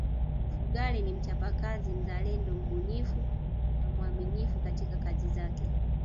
Mfugale ni mchapakazi mzalendo mbunifu na mwaminifu katika kazi zake